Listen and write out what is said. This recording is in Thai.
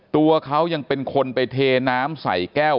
ตัวเขายังเป็นคนไปเทน้ำใส่แก้ว